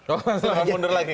oh pas lebaran mundur lagi